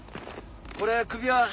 これ首輪